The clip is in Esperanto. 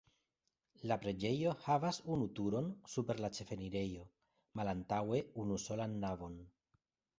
La preĝejo havas unu turon super la ĉefenirejo, malantaŭe unusolan navon.